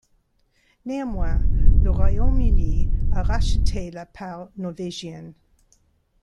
Néanmoins, le Royaume-Uni a racheté la part norvégienne.